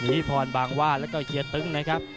นิพรบางว่าแล้วก็เฮียตึ้งนะครับ